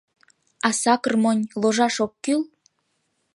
— А сакыр монь, ложаш ок кӱл?